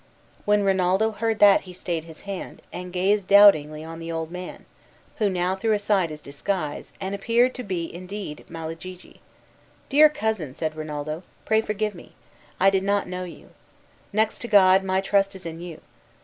When Rinaldo heard that he stayed his hand, and gazed doubtingly on the old man, who now threw aside his disguise, and appeared to be indeed Malagigi. "Dear cousin," said Rinaldo, "pray forgive me. I did not know you. Next to God, my trust is in you.